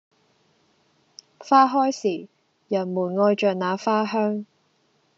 花開時；人們愛著那花香